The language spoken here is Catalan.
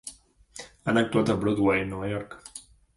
Han actuat a Broadway, Nova York.